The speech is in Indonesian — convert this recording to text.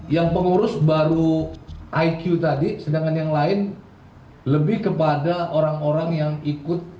yang pengurus baru iq tadi sedangkan yang lain lebih kepada orang orang yang ikut